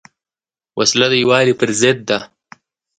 وسله د یووالي پر ضد ده